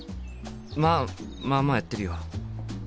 まあまあまあやってるよ。